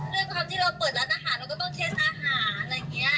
ด้วยความที่เราเปิดร้านอาหารเราก็ต้องเช็ดอาหารอะไรอย่างนี้